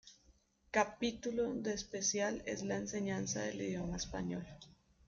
Capítulo de especial es la enseñanza del idioma español.